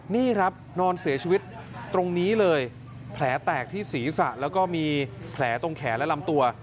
นี่ครับนอนเสียชีวิตตรงนี้เลยแผลแตกที่ศีรษะแล้วก็มีแผลตรงแขนและลำตัว